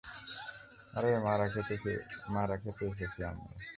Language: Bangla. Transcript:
আরে মারা খেতে এসেছি আমরা!